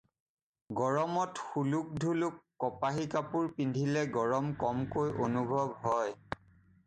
গৰমত সোলোক-ঢোলোক কপাহী কাপোৰ পিন্ধিলে গৰম কমকৈ অনুভৱ হয়।